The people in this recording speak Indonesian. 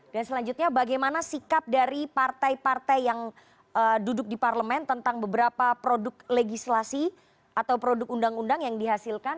dan selanjutnya bagaimana sikap dari partai partai yang duduk di parlemen tentang beberapa produk legislasi atau produk undang undang yang dihasilkan